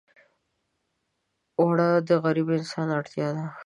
اوړه د غریب انسان اړتیا ده